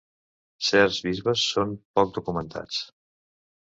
Certs bisbes són poc documentats.